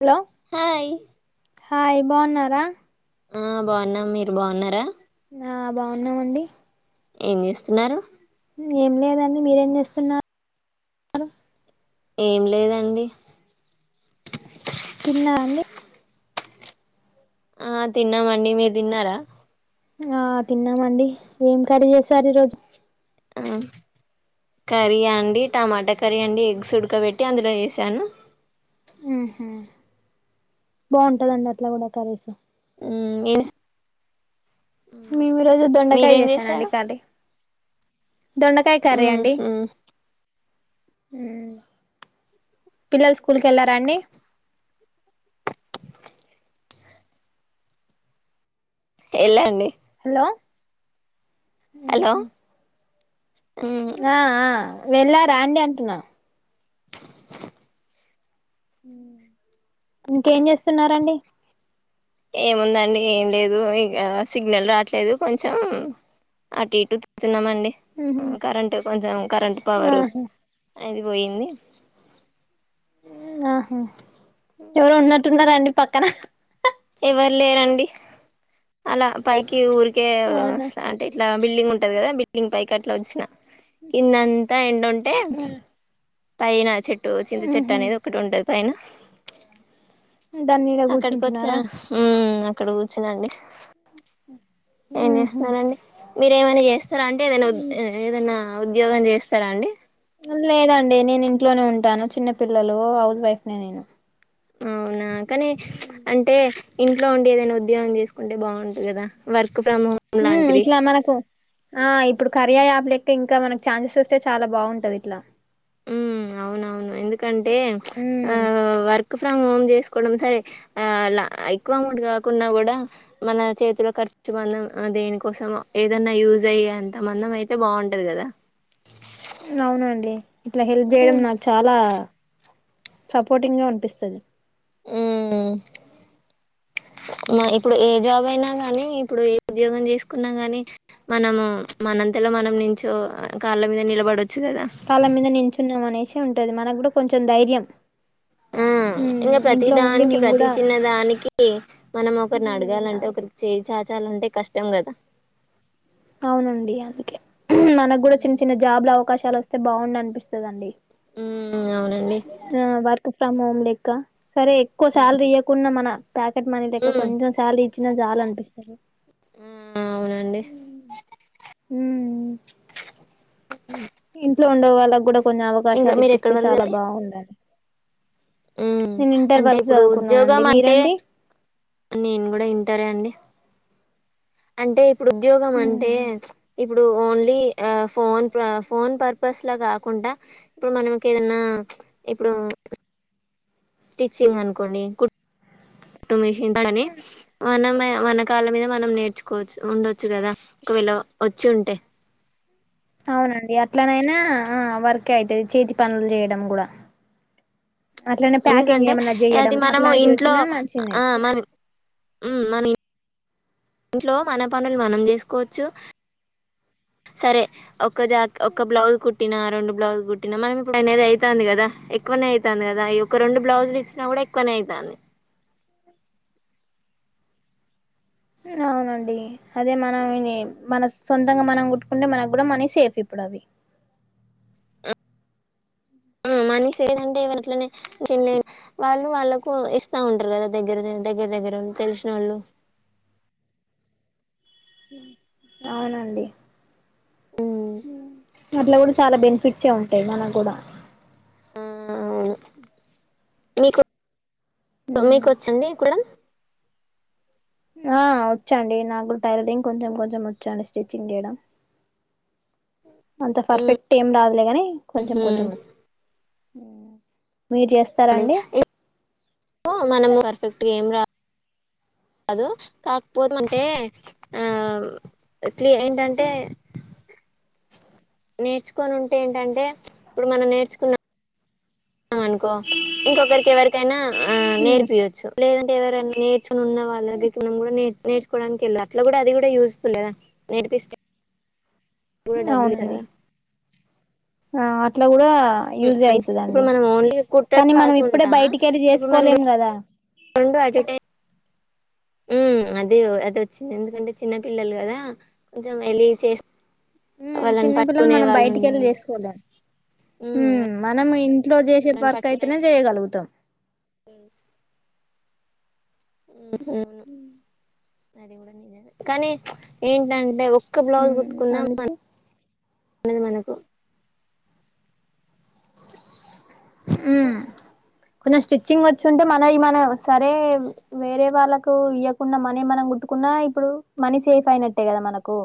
Hello హ్ hi బాగున్నారా. ఆ బాగున్నా మీరు బాగున్నారా ఆ బాగున్నామండి ఏం చేస్తున్నారు ఏం లేదండి మీరేం చేస్తున్నారు ఏం లేదండి తిన్నా అన్ని ఆ తిన్నామండి మీరు తిన్నారా ఆ తిన్నామండి ఏం కర్రీ చేసారు ఈరోజు కర్రీ అండి టమాటా కర్రీ అండి ఎగ్స్ ఉడకబెట్టి అందులో వసాను బాగుంటందండి అట్లా కూడా కరీసు ఇను మేము ఈ రోజు దొండకాయ మీరేం చేసానండి కారీ. చేశారు దొండకాయ కరండి మ్మ్హ్ మ్ పిల్లలు స్కూల్కి వెళ్ళారా అండి ఎలా అండి హ మ్ హా హలో మ్మ్, ఆ ఆ వెళ్ళ రా అండి అంటున్నా ఇంకేం చేస్తున్నారు అండి ఏముందండి ఏం లేదు ఇ సిగ్నల్ రాట్లేదు కొంచెం అటు ఇటు తిస్తున్నామ అండి ఉహు కరెంట్ కొంచెం కరెంట్ పవరు ఆహా అది పోయింది ఆహా ఎవరు ఉన్నట్టున్నారండి పక్కన ఎవరు లేరండి అలా పైకి ఊరి అవునా కేవస్త అంటే ఇట్లా. బిల్డింగ్ ఉంటంది కదా బిల్డింగ్ పైకి అట్లా వచ్చినా. కిందంతా ఎడుంటే. పయినా చెట్ చింత చెట్ ఉహు అనేదిటి ఓకటి ఉండ పైనా దాని నీడ అక్కడికి వచ్చా కూర్చుంటున్నారా ఉం ఇక్కడ కూర్చున్నాండి ఏం ఉహు చేస్తున్నారంండి మీర ఏమనా చేస్తారా అంటే తెల్వద్ ఏదైనా! ఉద్యోగం చేస్తారా అండి. లేదండి నేను ఇంట్లోనే ఉంటాను చిన్న పిల్లలు హౌస్ వైఫ్ న నేను అవునా కానీ అంటే ఇంట్లో ఉండి ఏదైనా ఉద్యోగం చేసుకుంటే బాగుంటది కదా వర్క్ ఫ్రమ్ హోమ్ హ్మ్ లాంటిది ఇట్లా మనకు ఆ ఇప్పుడు. కరియా ఆపు లెక్క ఇంకా మనకి చన్సెస్ వస్తే చాలా బాగుంటది ఇట్లా. ఉ అవునవును ఎందుకంటే ఆ వరాక్ ఉమ్ ఫ్రమ్ హోమ్ చేసుకోవడం సరే ఆ ఎక్కువ అమౌట్ కాకుంన్నా కూడా మన చేతిలో ఖర్చు మందం దేనికోసం ఏదన్నా యూజ్ అయ్యి అంత మందం అయితే బాగుంటంది కదా. అవునండి ఇట్లా హెల్ప్ చేయడం ఉమ్ నాకు చాలా సపోర్టింగ్ గా అనిపిస్తుంది. ఉ మా ఉమ్ ఇప్పుడు ఏ జాబ్ అయినా. కానీ ఇప్పుడు ఏ ఉద్యోగం చేసుకున్నా ని మనము మనంతలో మనం నించో కాళ్ళ మీద నిలబడవ కాళ మీద నిచున్నాం అనే వచ్చ ఉంటది మనకు కూడా కొంచెం ధైర్యం. ఆ ఉమ్ ఇంకా ప్రతి ఇంట్లో ఉండి దానికి మేము ప్రతిీ కూడా చిన్న దానికి మనం ఒకరిని అడగాలంటే ఒకరికి చేయి చాచి చాలా అంటే కష్టం కదా. అవునండి అందుకే మనకు కూడా చిన్న చిన్న జాబ్ల అవకాశం చాలా వస్తే బావుండు అనిపిస్తుందండి ఉ ఆ వార్క ఫ్రమ్ లెక్క సరే ఎక్కువ శాలరీ ఇవ్వకుంన్నా మన ప్యాకెట్ మనీ లెక ఉమ్ కొంచం సాలరీ ఇచ్చినా చాలు అనిపిస్తుం సరే ఆ అవునండి అ హ హీ. ఇంట్లో ఉండే వాళ్ళ కూడా కొన్ని అవకాశాలు ఇప్పిస్తే చాలా బాగుండండి ఉ నేను ఇంటర్ అంటే వరకు ఇప్పుడు చదువుకున్నానండి ఉద్యోగం అంటే మీరండి నేను కూడా ఇంటర్ ఏ అండి అంటే ఇప్పుడు ఉద్యోగం అంటే ఇప్పుడు ఇప్పుడు ఓన్లీ ఫోన్ ఫోన్ పర్పస్ లా కాకుండా ఇప్పుడు మనకి ఏదన్నా ఇప్పుడు స్టిచ్చింగ్ అనుకోండి కుట్టు మిషీన్ మనమే మనకళ్ళ మీద మనం నేర్చుకోవచ్చు ఉండొచ్చు కదా ఒకవేళ వచ్చి ఉంటే అవునండి అట్లనైనా ఆ వర్క్ ఏ అయితాది చేతి పనులు చేయడం కూడా అట్లనే ప్యాకింగ్ ఎందుకంటే ఏమన్నా అది చేయడం మనము అట్లాంటివి ఇంట్లో వచ్చినా మంచినే ఆ మ హు మన ఇంట్లో మన పనులు మనం చేసుకోవచ్చు సరే ఒ ఒక్క జా ఒక్క బ్లౌజు కుట్ కుట్టి రెండు బ్లౌజు కుట్టిన మనం ఇప్పుడు అనేది అవుతంది కదా ఎక్వనే అవుతంది కదా ఈ ఒక రెండు బ్లౌజులు ఇచ్చిన కూడా ఎక్కువనే అవుతంది అవునండి అదే మనం యి మన సొంతంగా మనం కుట్టుకుంటే మనకు కూడా మనీ సేఫ్ ఇప్పుడు అవి ఆ మని సేవ్ అంటే ఇట్లనే వాళ్ళు వాళ్ళలకు ఇస్తా ఉంటారు కదా దగ్గర దగ్గర దగ్గర తెలిసిన వాళ్ళు అవునండి అ అట్లా కూడా చాలా బెనిఫిట్సే ఉంటాయి మనకు కూడా వున మీకు మ్ మీకు వచ్చండి కూట్టడం ఆ వచ్చండి నాకు కూడా టైలర్దింగ్ కొంచెం కొంచెం వచ్చండి స్టిచ్చింగ్ చేయడం అంత పర్ఫెక్ట్ ఏం రాదులేగాని కొంచెం కొంచెం వచ్చ ఆ మనం వర్క్ ఫిట్ గా ఏం రా కాదు కాకపోతే అంటే క్లియ ఏంటంటే. నేర్చుకొని ఉంటే ఏంటంటే ఇప్పుడు మనం నేర్చుకున్నా అ అనుకో ఇంకొకరికి ఎవరికైనా ఆ నేర్పియొచ్చు లేదంటే ఎవరన్నీ చున్న వాళ్ళ దగ్గరకి మనం కూడా నేర్ నేర్చుకోవడానికి వేళ్ళ అట్లా కూడా అది కూడా యూసుఫుల్ కదా నేర్పిస్తే కూడా డబ్బులు కదా. ఇస్తారు అవునండి ఆ అట్లా కూడా ఆ యుజ్ అంటే ఇప్పుడు అయితదండి మనం ఓన్లీ కుట్టడం కానీ మనం ఇప్పుడే కాకుండా బయటికెళ్ళి ఇప్పుడు చేసుకోలేం కదా హ్మ్ అది అది వచ్చింది ఎందుకంటే చిన్న పిల్లలు కదా కొంచెం వెలి చేస్త మ్మ్ చిన్న పిల్లలు మనం వాళ్ళు బయటికి వెళ్ళి ఉండాలి చేసుకోలేం మ్మ్ మనము ఉమ్ ఇన్ ఇంట్లో చేసే పర్కు అయితేనే చేయగలుగుతాం హ్మ్ హ్మ్ ఊను అది కూడా నిజమే కానీ ఏంటంటే ఒక్క బ్లౌజ్ ఉమ్ కుట్టుకున్నాం మ అందుకే అన్నది మనకు హ్మ్ ఉమ్ కొంచెం స్టిచ్చింగ్ వచ్చుంటే మనయి మన సరే వేరే వాళ్ళకు ఇయ్వకుండా మనియి మనం గుట్టుకున్నా ఇప్పుడు మనీ సేఫ్ అయినట్టే కదా మనకు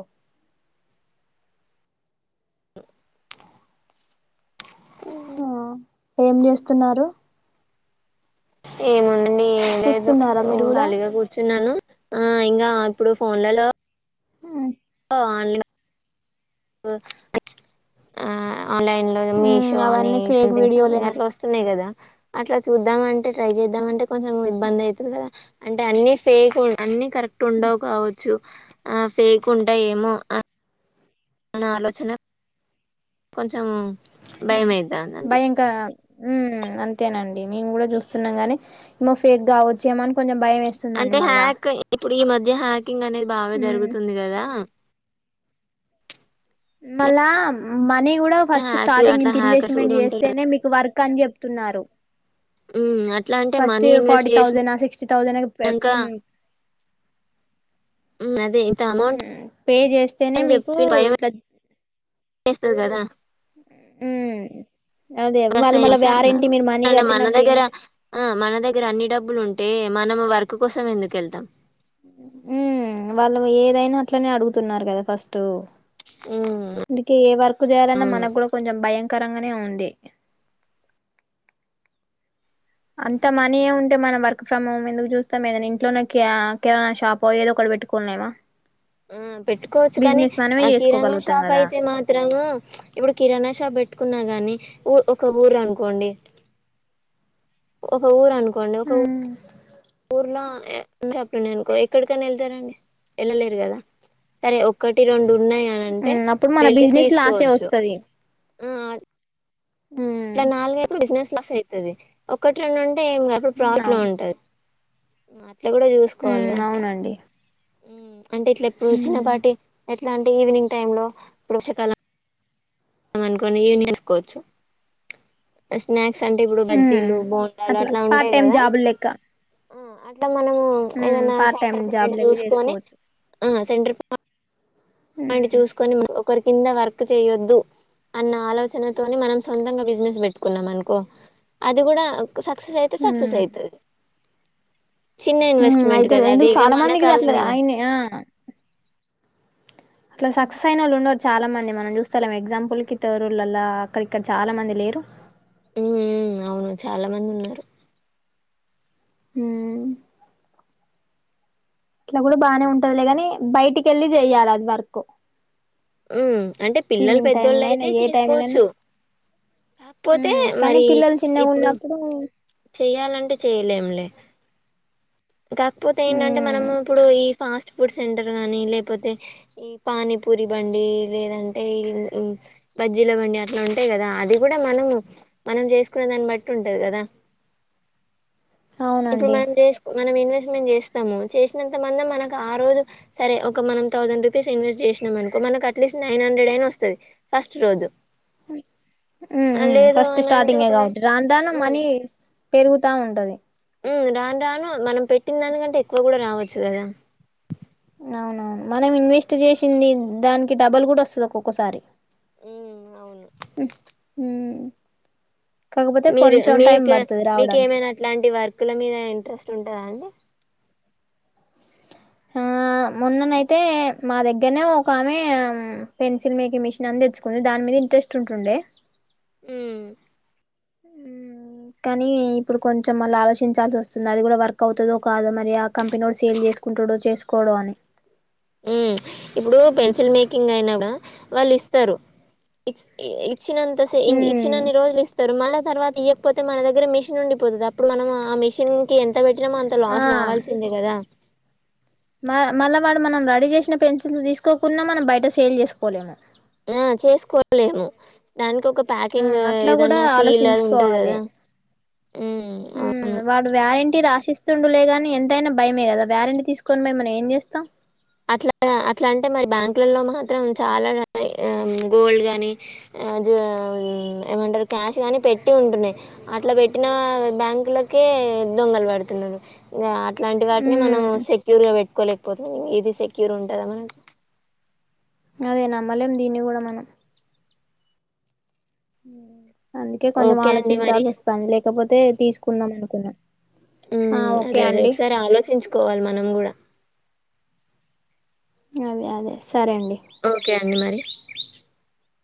ఆ ఏం చేస్తున్నారు ఏముంది నీ ఏం లేదు చూస్తున్నారా మీరు కూడా ఖాళీగా కూర్చున్నాను ఆ ఇంకా ఇప్పుడు ఫోన్లలో హ్ కాళ్ళు నొప్ [unintelligible] ఆ ఆన్లైన్ లో ఉమ్ మీషో అని అవన్నీ ఫేక్ సంథింగ్ సంథింగ్ అట్లా వీడియోలేనండి వస్తున్నాయి కదా అట్లా చూద్దామ అంటే ట్రై చేద్దామ అంటే కొంచెం ఇబ్బంది అయితది కదా అంటే అన్ని ఫేక్ అ కరెక్ట్ ఉండవు కావచ్చు ఆ ఫేక్ ఉంటాయ ఏమో ఆ మన ఆలోచన కొంచం అంతే భయంకర హ్మ్ అంతేనండి మేము కూడా చూస్తున్నాంగాని ఏమో ఫేక్ కావచ్చు ఏమో అని కొంచెం భయం అంటే వేస్తుందండి మళ్ళా హ్యాక్ అయి ఇప్పుడు ఈ మధ్య హ్యాక్ కుకింగ్ అనేది బాగా జరుగుతుంది కదా ఉమ్ మళ్ళా మనీ కూడా ఫస్ట్ హ్యాక్ స్టార్టింగ్ అట్లా ఇంత హ్యాకర్స్ ఇన్వెస్ట్మెంట్ చేస్తేనే మీకు వర్క్ కని చెపుతున్నారు ఉ అ first forty thousand sixty thousand చేసినంక హ్మ్. అదే ఇంత అమౌంట్ పే చేస్తేనే అని మీకు చెప్పి ఇట్లా కదా ఉ రసాయనిశ వ్యారంటీ మీరు మనీ అంటన్నారుంటే మన కట్టినట్టు దగ్గర ఏమి ఆ మన దగ్గర అన్ని డబ్బులు ఉంటే మనం వర్క్ కోసం ఎందుకు వెళ్తాం ఉ వాళ్ళు ఏదైనా అట్లనే అడుగుతున్నారు కదా ఫస్ట్ హ్మ్. అందుకే ఏ వర్క్ చేయాలన్నా అవును. మనకు కూడా కొంచెం భయం కరంగానే ఉంది అంత మనీయ ఉంటే మన వర్ ఫ్రమ్ హోమ్ ఎందుకు చూస్తాం ఏదనా ఇంట్లోనే కిరాణా షాపో ఏదో ఒకటి పెట్టుకోలేమ. ఆ పెట్టుకోవచ్చు కానీ బిజినెస్ మనమే ఆ కిరాణా చేసుకోగలుగుతాం షాప్ కదా అయితే మాత్రము ఇప్పుడు కిరాణా షాప్ పెట్టు కున్నా గాని ఊ ఒక ఊరు అనుకోండి ఒక ఊరును పండ ఒక ఉమ్ అప్పుడు నేనుకో ఎక్కడికైనా వెళ్తారండి వెళ్ళలేరు కదా సరే ఒకటి రెండు ఉన్నాయినింటే అప్పుడు మన వెళ్ళి బిజినెస్ లాసే తీసుకోవచ్చు వస్తది ఆ ఉమ్ ఇట్లా నాలుగైదు బిజినెస్ లాస్ అవుతుది ఒకటి రె అంటే ఏం కాప్పుడు ప్లాట్ లో అవును ఉంటది మ ఇట్లా కూడా చూసుకోవాలిగా ఉమ్ అవునండి అంటే ఇట్లా ఎప్పుడు ఉమ్ చిన్నపాటి ఇలాంటి ఈవినింగ్ టైమ్ లోషాలం మ అనుకోని యూని చేసుకోవచ్చు స్నాక్స్ ఎక్స్ అంటే ఇప్పుడు ఉమ్ బజ్జీలు బోండాలు అట్లా పార్ట్ ఉంటాయి టైమ్ కదా జాబులు లెక్క ఆ ఉమ్ పార్ట్ అ టైమ్ జాబ్ లెక్క [inaudible] చేసుకోవచ్చు వాంటి ఉమ్ చూసుకొని ఒకరి కింద వర్క్ చేయొద్దు అన్న ఆలోచనతోని మనం సొంతంగా బిజినెస్ పెట్టుకున్నాం అనుకో అది కూడా సక్సెస్ అయితే సక్సెస్ అవుతు ఇన్వెస్ట్మెంట్ అయితే కదా అది ఎందుకు ఇగ చాలా మన మందికి కాళ్ళ అట్ల మీద అయినయి అట్ల సక్సస్ అయిన వాళ్ళ ఉం చాలా మంది మనం చూస్తలేం ఎగ్జాంపుల్కి తరూలలా అక్కడ ఇక్కడ చాలా మంది లేరు చాలా మంది ఉన్నారు. హ్ ఇట్ల గుడా బానే ఉంటదిలే గని బయటికిల్లీ చెయ్యాలి అది వరకు ఉ అంటే పిల్లలు ఈవినింగ్ టైమ్ లైనా పెద్దోళ్ళయితే ఏ టైమ్ లైనా చేసుకోవచ్చు. కాకపోతే ఉమ్ కానీ మరి పిల్లలు చిన్నగా ఇప్పుడు ఉన్నప్పుడు చెయ్యాలంటే చెయలేం లే కాకపోతే ఏంటంటే ఉమ్ మనము ఇప్పుడు ఈ ఫాస్ట్ ఫుడ్ సెంటర్ గానీ లేకపోతే ఈ పానీపూరి బండి లేదంటే ఈ బజ్జీల బండి అట్ల ఉంటయి గదా అది గుడా మనము మనం చేసుకునే దాన్ని బట్టి ఉంటది కదా అవునండి మనం ఇన్వెస్ట్మెంట్ చేస్తాము చేసినంత మందం మనకు ఆ రోజు సరే ఒక మనం థౌసండ్ రూపీస్ ఇన్వెస్ట్ చేసినం అనుకో మనకు అట్లీస్ట్ నైన్ హండ్రెడ్ అయిన వస్తది ఫస్ట్ రోజు. లేదు ఫస్ట్ అని అంటే స్టార్టింగే ఒకవేళ కావచ్చు రాను రాను ఉమ్, మనీ పెరుగుతా ఉంటది. రాను రాను మనం పెట్టిన దానికంటే ఎక్కువ గూడా రావచ్చు కదా. అవునవును మనం ఇన్వెస్ట్ చేసింది దానికి డబల్ గుడా వస్తది ఒక్కొక్కసారి ఉమ్, అవును హ్మ్ కాకపోతే మీరు కొంచెం టైం మీకు పడుతది రావడానికి మీకేమైనా అట్లాంటి వర్క్ల మీద ఇంట్రెస్ట్ ఉంటదా అండి. ఆ మొన్ననైతే మా దగ్గర్నే ఒక ఆమె పెన్సిల్ మేకింగ్ మిషన్ అని తెచ్చుకుంది. దాని మీద ఇంట్రెస్ట్ ఉంటుండే. ఉ కానీ ఇప్పుడు కొంచం మళ్ళ ఆలోచించాల్సి వస్తుంది. అది గుడా వర్క్ అవుతదో కాదో మరి ఆ కంపినోడ్ సేల్ చేసుకుంటడో చేసుకోడో అని మ్ ఇప్పుడు పెన్సిల్ మేకింగ్ అయిన గుడ వాళ్ళు ఇస్తారు. ఇచ్చినంత సే హ్మ్ ఇచ్చినన్ని రోజులు ఇస్తరు మళ్ళ తర్వాత ఇయ్యకపోతే మన దగ్గర మిషన్ ఉండిపోతది అప్పుడు మనం ఆ మీషన్ ఎంత పెట్టినమో అంత ఆ లాస్ కావాల్సిందే కదా మ మళ్ళా వాడు మనం రెడీ చేసిన పెన్సిల్స్ తీసుకోకున్నా మనం బయట సేల్ చేసుకోలేము. ఆ చేసుకోలేము దానికి ఒక ఆ ప్యాకింగ్ అట్లా కూడా ఏదన్నా సీల్ అది ఉంటది ఆలోచించుకోవాలి గదా అవును టి రాసిస్తుండులేగాని ఎంతైనా భయమే గదా వారంటీ తీసుకొని మేం ఏం చేస్తాం అట్ల అట్ల అంటే మరి బ్యాంకులలో మాత్రం చాలా గోల్డ్ గానీ ఏమంటారు క్యాష్ గాని పెట్టి ఉంటున్నయి అట్ల పెట్టిన బ్యాంకులకే దొంగలు పడుతున్నరు. ఇ ఇట్లాంటి వాటిని మనం హ్మ్ సెక్యూర్గా పెట్కోలే ఇది సెక్యూర్ ఉంటదా మనక్ అదే నమ్మలేం దీన్ని గూడా మనం. ఉ అందుకే కొంచెం ఓకే ఆలోచించాల్సి వస్తుంది లేకపోతే తీసుకు న్నాం అనుకున్నా మ్ ఓకే అదే అదే అండి ఒకసారి ఆలోచించుకోవాలి మనం కూడా అవె అవె ఓకే అండి మరి హ